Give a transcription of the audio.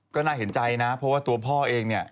ก็น่าเห็นใจนะเพราะว่าตัวพ่อเองเนี่ย